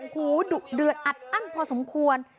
หูดื่นอัดอันพอสมควร